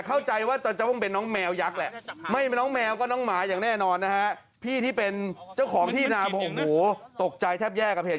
อ้ะแล้วไปปล่อยคืนสู่ธรรมชาติที่เดิมมองซ้ายมองขวาธรรมชาติอีกแล้ว